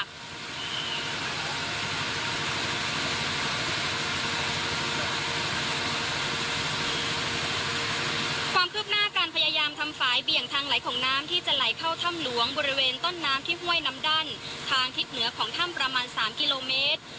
ความคืบหน้าการพยายามทำฝ่ายเบี่ยงทางไหลของน้ำที่จะไหลเข้าถ้ำหลวงบริเวณต้นน้ำที่ห้วยน้ำดั้นทางทิศเหนือของถ้ำประมาณ๓กิโลเมตร